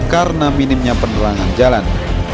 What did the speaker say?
karena minimnya penerangan jalan